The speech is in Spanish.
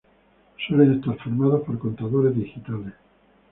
Suelen estar formados por contadores digitales.